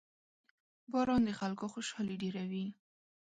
• باران د خلکو خوشحالي ډېروي.